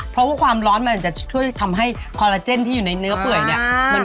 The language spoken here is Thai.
เพราะว่าความร้อนมันอาจจะช่วยทำให้คอลลาเจนที่อยู่ในเนื้อเปื่อยเนี่ย